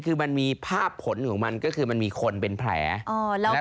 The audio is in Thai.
ก็คือมันมีภาพผลของมันก็คือมันมีคนเป็นแผลแล้วก็เป็นแผลใหญ่